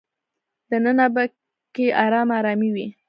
دننه په کې ارامه ارامي وي.